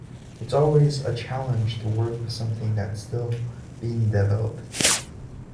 It's always a challenge to work with something that's still being developed.